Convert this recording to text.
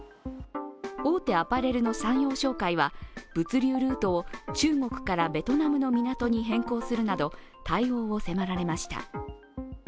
大手アパレルの三陽商会は物流ルートを中国からベトナムの港に変更するなど対応を迫られました。